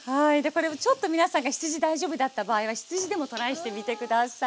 皆さんが羊大丈夫だった場合は羊でもトライしてみて下さいね。